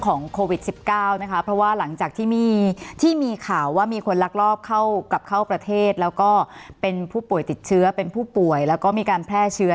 โควิด๑๙นะคะเพราะว่าหลังจากที่มีที่มีข่าวว่ามีคนลักลอบเข้ากลับเข้าประเทศแล้วก็เป็นผู้ป่วยติดเชื้อเป็นผู้ป่วยแล้วก็มีการแพร่เชื้อ